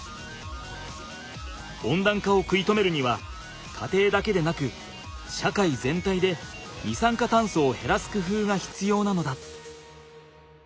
温暖化を食い止めるには家庭だけでなく社会全体で二酸化炭素を減らすくふうがひつようなのだ。